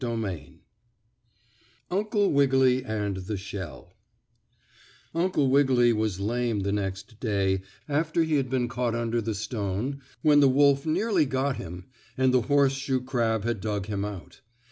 STORY XII UNCLE WIGGILY AND THE SHELL Uncle Wiggily was lame the next day after he had been caught under the stone when the wolf nearly got him, and the horseshoe crab had dug him out.